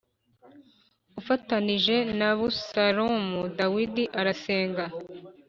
ufatanije na Abusalomu. Dawidi arasenga